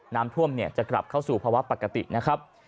น้ำท่วมจะกลับเข้าสู่ภาวะปกตินะครับ